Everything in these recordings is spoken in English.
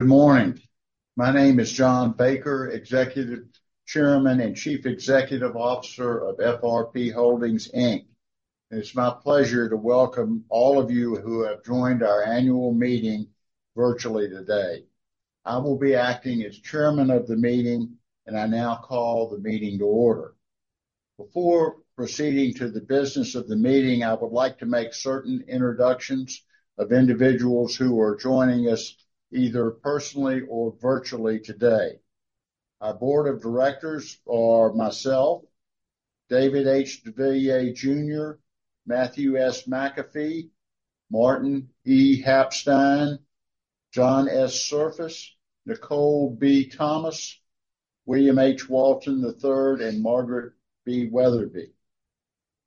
Good morning. My name is John Baker, Executive Chairman and Chief Executive Officer of FRP Holdings, Inc. It's my pleasure to welcome all of you who have joined our annual meeting virtually today. I will be acting as chairman of the meeting, and I now call the meeting to order. Before proceeding to the business of the meeting, I would like to make certain introductions of individuals who are joining us, either personally or virtually today. Our board of directors are myself, David H. deVilliers, Jr., Matthew S. McAfee, Martin E. Stein, Jr., John S. Surface, Nicole B. Thomas, William H. Walton III, and Margaret B. Wetherbee.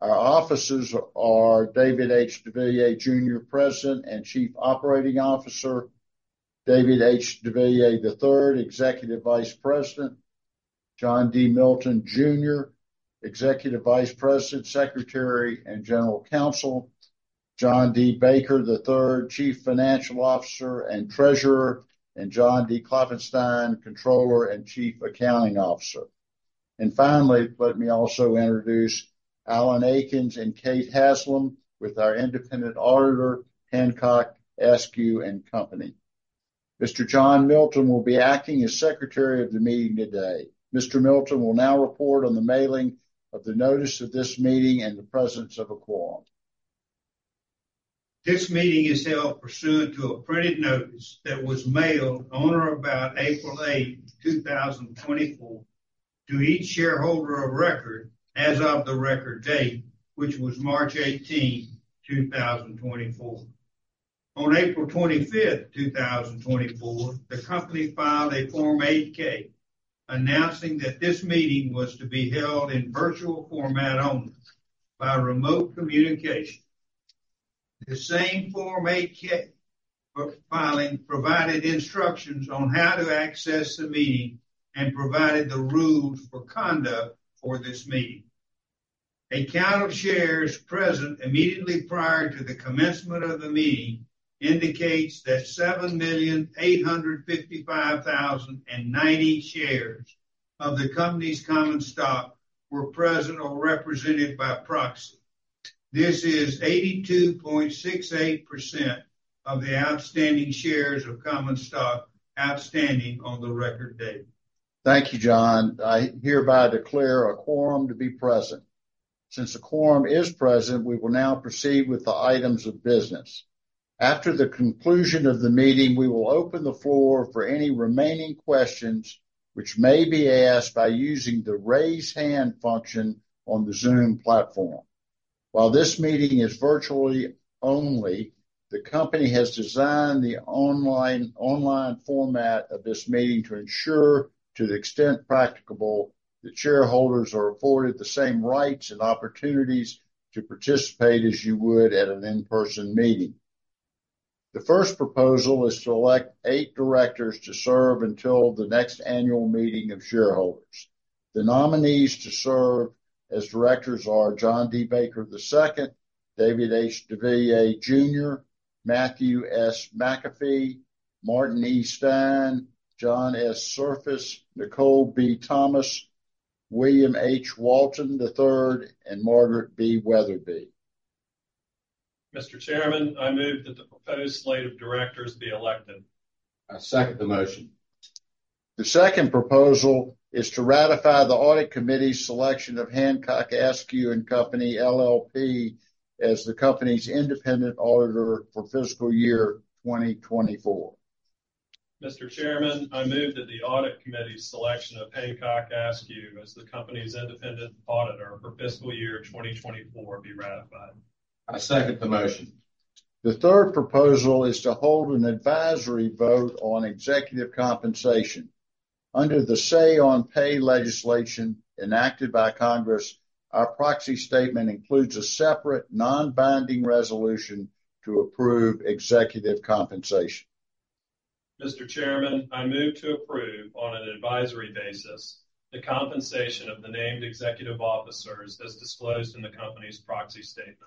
Our officers are David H. deVilliers, Jr., President and Chief Operating Officer, David H. deVilliers III, Executive Vice President, John D. Milton, Jr., Executive Vice President, Secretary, and General Counsel, John D. Baker III, Chief Financial Officer and Treasurer, and John D. Klopfenstein, Controller and Chief Accounting Officer. And finally, let me also introduce Allen Akins and Kate Haslam with our independent auditor, Hancock Askew & Co. Mr. John Milton will be acting as secretary of the meeting today. Mr. Milton will now report on the mailing of the notice of this meeting and the presence of a quorum. This meeting is held pursuant to a printed notice that was mailed on or about April 8th, 2024, to each shareholder of record as of the record date, which was March 18th, 2024. On April 25th, 2024, the company filed a Form 8-K announcing that this meeting was to be held in virtual format only by remote communication. The same Form 8-K for filing provided instructions on how to access the meeting and provided the rules for conduct for this meeting. A count of shares present immediately prior to the commencement of the meeting indicates that 7,855,090 shares of the company's common stock were present or represented by proxy. This is 82.68% of the outstanding shares of common stock outstanding on the record date. Thank you, John. I hereby declare a quorum to be present. Since a quorum is present, we will now proceed with the items of business. After the conclusion of the meeting, we will open the floor for any remaining questions, which may be asked by using the raise hand function on the Zoom platform. While this meeting is virtually only, the company has designed the online format of this meeting to ensure, to the extent practicable, that shareholders are afforded the same rights and opportunities to participate as you would at an in-person meeting. The first proposal is to elect eight directors to serve until the next annual meeting of shareholders. The nominees to serve as directors are John D. Baker II, David H. deVilliers, Jr., Matthew S. McAfee, Martin E. Stein, John S. Surface, Nicole B. Thomas, William H. Walton III, and Margaret B. Wetherbee. Mr. Chairman, I move that the proposed slate of directors be elected. I second the motion. The second proposal is to ratify the audit committee's selection of Hancock Askew & Co., LLP as the company's independent auditor for fiscal year 2024. Mr. Chairman, I move that the audit committee's selection of Hancock Askew as the company's independent auditor for fiscal year 2024 be ratified. I second the motion. The third proposal is to hold an advisory vote on executive compensation. Under the Say-on-Pay legislation enacted by Congress, our proxy statement includes a separate, non-binding resolution to approve executive compensation. Mr. Chairman, I move to approve, on an advisory basis, the compensation of the named executive officers as disclosed in the company's Proxy Statement.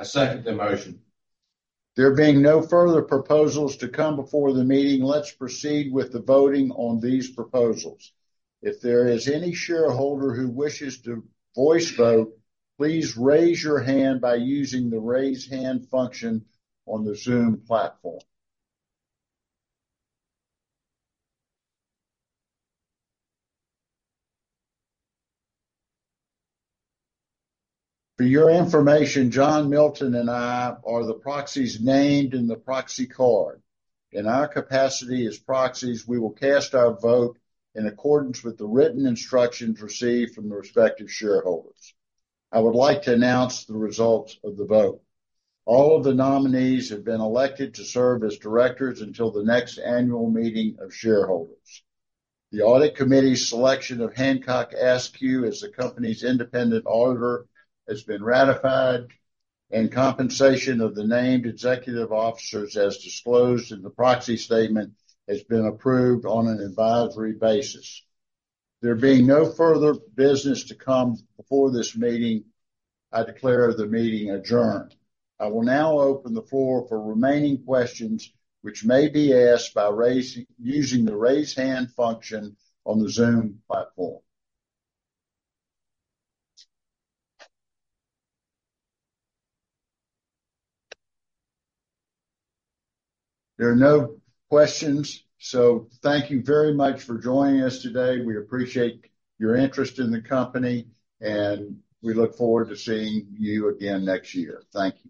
I second the motion. There being no further proposals to come before the meeting, let's proceed with the voting on these proposals. If there is any shareholder who wishes to voice vote, please raise your hand by using the raise hand function on the Zoom platform. For your information, John Milton and I are the proxies named in the proxy card. In our capacity as proxies, we will cast our vote in accordance with the written instructions received from the respective shareholders. I would like to announce the results of the vote. All of the nominees have been elected to serve as directors until the next annual meeting of shareholders. The audit committee's selection of Hancock Askew as the company's independent auditor has been ratified, and compensation of the named executive officers, as disclosed in the proxy statement, has been approved on an advisory basis. There being no further business to come before this meeting, I declare the meeting adjourned. I will now open the floor for remaining questions, which may be asked by using the raise hand function on the Zoom platform. There are no questions, so thank you very much for joining us today. We appreciate your interest in the company, and we look forward to seeing you again next year. Thank you.